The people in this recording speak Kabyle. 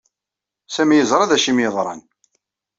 Sami yeẓra d acu ay am-yeḍran.